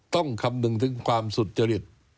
คำนึงถึงความสุจริต